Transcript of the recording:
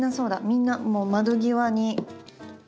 みんなもう窓際に。